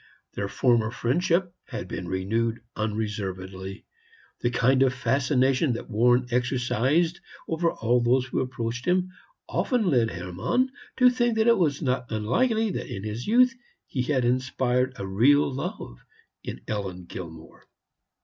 Their former friendship had been renewed unreservedly. The kind of fascination that Warren exercised over all those who approached him often led Hermann to think that it was not unlikely that in his youth he had inspired a real love in Ellen Gilmore.